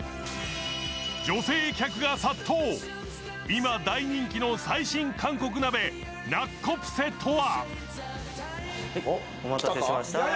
女性客が殺到、今大人気の最新韓国鍋、ナッコプセとは？